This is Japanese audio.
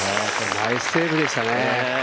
ナイスセーブでしたね。